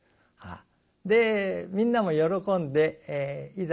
でみんなも喜んでいざ